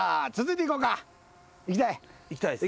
いきたいです。